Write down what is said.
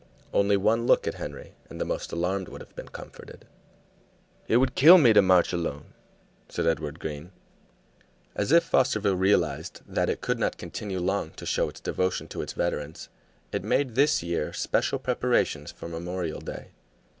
Only one look at Henry, and the most alarmed would have been comforted. "It would kill me to march alone," said Edward Green. As if Fosterville realized that it could not continue long to show its devotion to its veterans, it made this year special preparations for Memorial Day.